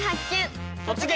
「突撃！